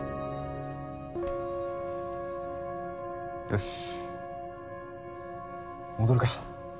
よし戻るか。